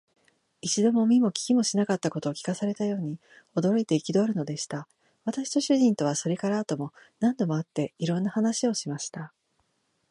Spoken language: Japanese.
一度も見も聞きもしなかったことを聞かされたように、驚いて憤るのでした。私と主人とは、それから後も何度も会って、いろんな話をしました。